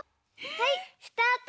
はいスタート！